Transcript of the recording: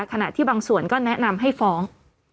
ขณะที่บางส่วนก็แนะนำให้ฟ้อง